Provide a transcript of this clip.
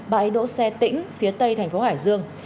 bãi đỗ xe tỉnh phía tây thành phố hải dương